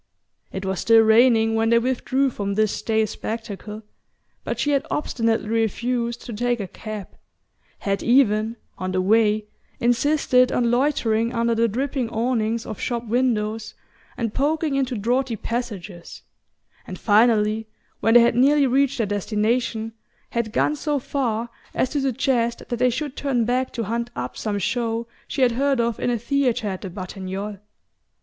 It was still raining when they withdrew from this stale spectacle, but she had obstinately refused to take a cab, had even, on the way, insisted on loitering under the dripping awnings of shop windows and poking into draughty passages, and finally, when they had nearly reached their destination, had gone so far as to suggest that they should turn back to hunt up some show she had heard of in a theatre at the Batignolles.